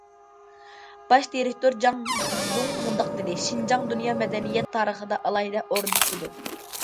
باش دىرېكتور جاڭ دۇڭ مۇنداق دېدى: شىنجاڭ دۇنيا مەدەنىيەت تارىخىدا ئالاھىدە ئورۇن تۇتىدۇ.